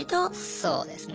そうですね。